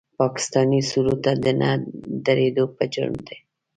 پاکستاني سرود ته د نه درېدو په جرم د